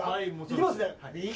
いきますね。